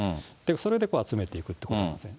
それでこう、集めていくということですね。